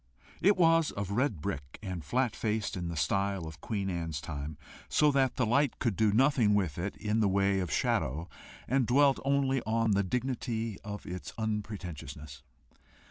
It was of red brick, and flat faced in the style of Queen Anne's time, so that the light could do nothing with it in the way of shadow, and dwelt only on the dignity of its unpretentiousness.